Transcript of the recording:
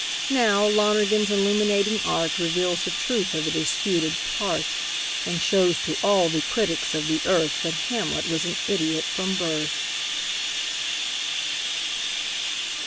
Now, Lonergan's illuminating art Reveals the truth of the disputed "part," And shows to all the critics of the earth That Hamlet was an idiot from birth!